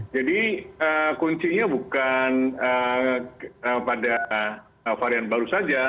jadi kuncinya bukan pada varian baru saja